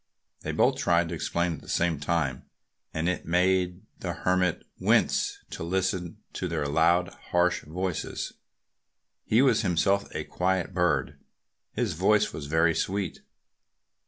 They both tried to explain at the same time. And it made the Hermit wince to listen to their loud, harsh voices. He was himself a quiet bird; his voice was very sweet.